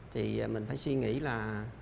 thì mình phải suy nghĩ là